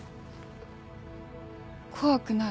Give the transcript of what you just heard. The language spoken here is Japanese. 怖くない。